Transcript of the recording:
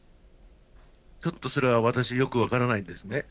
ちょっとそれは私、よく分からないんですね。